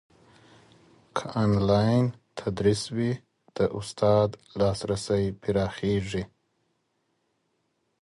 که انلاین تدریس وي، د استاد لاسرسی پراخېږي.